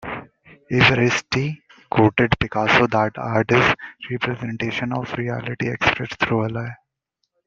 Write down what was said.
Evaristti quoted Picasso that art is a representation of reality expressed through a lie.